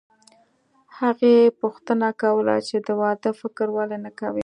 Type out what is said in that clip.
هغې پوښتنه کوله چې د واده فکر ولې نه کوې